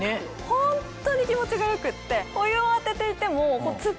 ホントに気持ちが良くって。